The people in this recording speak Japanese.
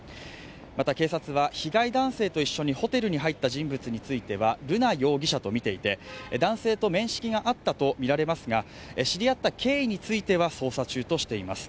また、警察は被害男性と一緒にホテルに入った人物については瑠奈容疑者とみていて男性と面識があったとみられますが、知り合った経緯については捜査中としています。